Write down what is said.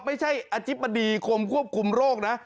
ไม่ใช่อธิบดีกรมควบคุมโรคนะ